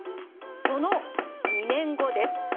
その２年後です。